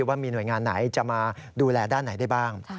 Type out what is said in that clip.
ว่ามีหน่วยงานไหนจะมาดูแลด้านไหนได้บ้าง